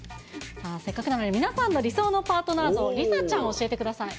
せっかくなので、皆さんの理想のパートナー像、梨紗ちゃん、教えてください。